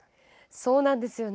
そうなんですよね。